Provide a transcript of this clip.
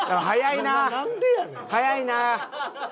早いなあ。